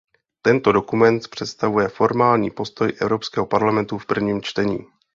Tento dokument představuje formální postoj Evropského parlamentu v prvním čtení.